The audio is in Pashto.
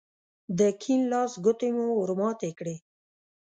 د کيڼ لاس ګوتې مو ور ماتې کړې.